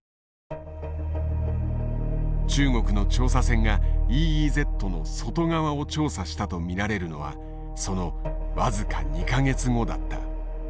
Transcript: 中国の調査船がＥＥＺの外側を調査したと見られるのはその僅か２か月後だった。